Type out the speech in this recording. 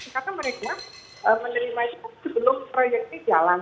karena mereka menerima itu sebelum proyek ini jalan